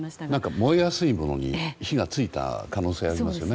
燃えやすいものに火が付いた可能性がありますね。